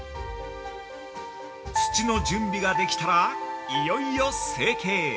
土の準備ができたらいよいよ成形。